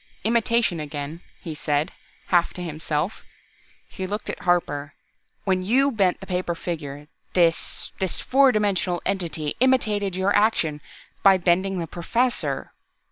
"Imitation again!" he said, half to himself. He looked at Harper. "When you bent the paper figure this this fourth dimensional entity imitated your action by bending the Professor.